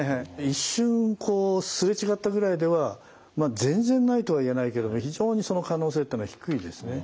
一瞬すれ違ったぐらいでは全然ないとは言えないけども非常にその可能性っていうのは低いですね。